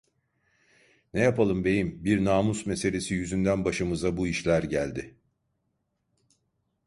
Ne yapalım beyim, bir namus meselesi yüzünden başımıza bu işler geldi.